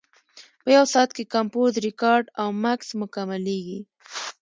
په یو ساعت کې کمپوز، ریکارډ او مکس مکملېږي.